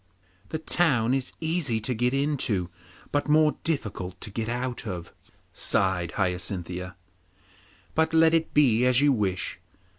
'The town is easy to get into, but more difficult to get out of,' sighed Hyacinthia. 'But let it be as you wish.